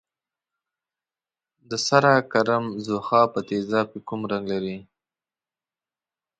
د سره کرم ځوښا په تیزاب کې کوم رنګ لري؟